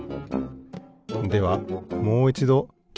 ではもういちどき